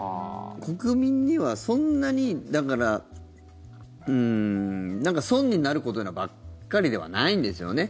国民にはそんなに、だから損になることばっかりではないんですよね。